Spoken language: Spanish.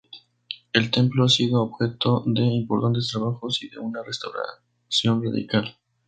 El templo ha sido objeto de importantes trabajos y de una restauración radical.